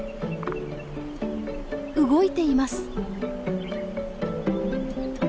動いています。